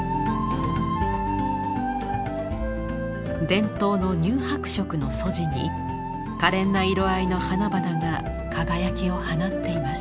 伝統の乳白色の素地にかれんな色合いの花々が輝きを放っています。